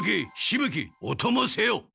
しぶ鬼おともせよ！